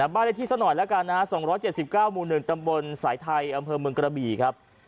บ้านเลขที่ซะหน่อยแล้วกันนะ๒๗๙หมู่๑ตำบลสายไทยอำเภอเมืองกระบี่ครับ